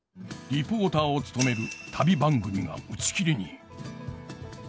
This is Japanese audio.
リポーターを務める旅番組が打ち切りに。